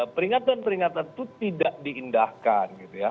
peringatan peringatan itu tidak diindahkan